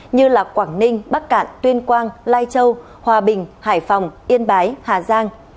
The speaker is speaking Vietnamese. như quảng ninh bắc cạn tuyên quang lai châu hòa bình hải phòng yên bái hà giang